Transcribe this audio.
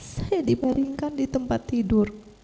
saya dibaringkan di tempat tidur